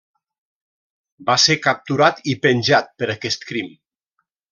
Va ser capturat i penjat per aquest crim.